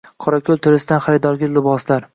Qorako‘l terisidan xaridorgir liboslar